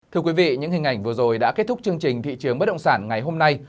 thưa quý vị những hình ảnh vừa rồi đã kết thúc chương trình thị trường bất động sản ngày hôm nay